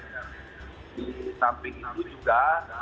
di samping itu juga